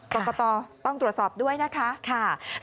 ต่อกระต่อต้องตรวจสอบด้วยนะคะ